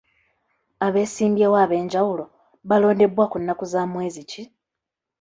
Abeesimbyewo ab'enjawulo balondebwa ku nnaku za mwezi ki?